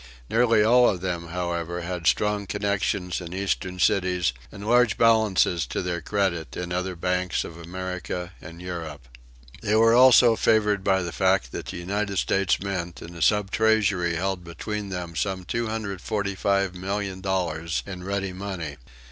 Nearly all of them, however, had strong connections in Eastern cities and large balances to their credit in other banks of America and Europe. They were also favored by the fact that the United States Mint and the Sub Treasury held between them some $245,000,000 in ready money.